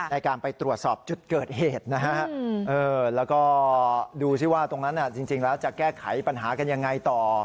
ในการไปตรวจสอบจุดเกิดเหตุนะฮะแล้วก็ดูสิว่าตรงนั้นจริงแล้วจะแก้ไขปัญหากันยังไงต่อ